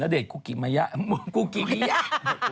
นาเดชกุกิมาย่ากุกิมย่า